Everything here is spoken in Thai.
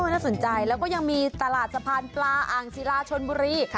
น่าสนใจแล้วก็ยังมีตลาดสะพานปลาอ่างศิลาชนบุรี